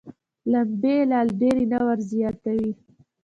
لمبې یې لا ډېرې نه وزياتوي.